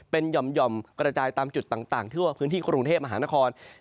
เป็นหย่อมกระจายตามจุดต่างทั่วพื้นที่กรุงเทพมหานคร